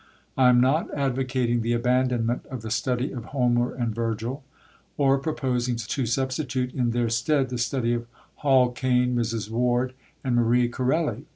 I am not advocating the abandonment of the study of Homer and Vergil, or proposing to substitute in their stead the study of Hall Caine, Mrs. Ward, and Marie Corelli.